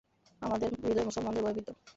আমাদের হৃদয় মুসলমানদের ভয়ে ভীত।